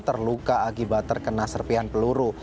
terluka akibat terkena serpian peluru